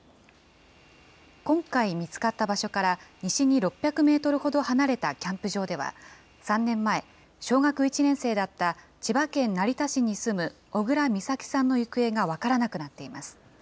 今回見つかった場所から、西に６００メートルほど離れたキャンプ場では、３年前、小学１年生だった千葉県成田市に住む小倉美咲さんの行方が分からなくなっています。